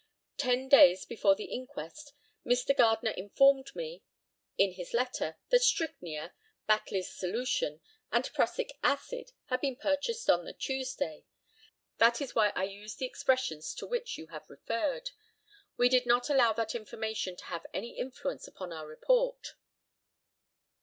Ten days before the inquest Mr. Gardner informed me, in his letter, that strychnia, Batley's solution, and prussic acid had been purchased on the Tuesday; that is why I used the expressions to which you have referred. We did not allow that information to have any influence upon our report.